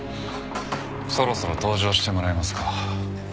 そろそろ登場してもらいますか。